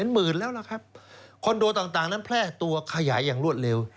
หมื่นแล้วล่ะครับคอนโดต่างนั้นแพร่ตัวขยายอย่างรวดเร็ว